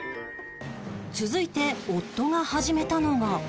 続いて夫が始めたのが